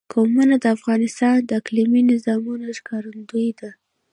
قومونه د افغانستان د اقلیمي نظام ښکارندوی ده.